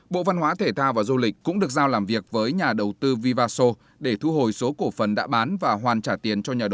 bộ văn hóa thể thao và du lịch cũng được giao làm việc với nhà đầu tư vivaso để thu hồi số cổ phần đã bán và hoàn trả tiền cho nhà đầu tư